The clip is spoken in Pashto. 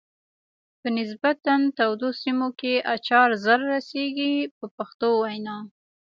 په نسبتا تودو سیمو کې اچار زر رسیږي په پښتو وینا.